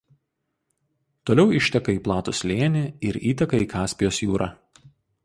Toliau išteka į platų slėnį ir įteka į Kaspijos jūrą.